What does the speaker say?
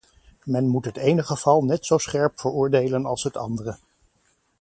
Men moet het ene geval net zo scherp veroordelen als het andere.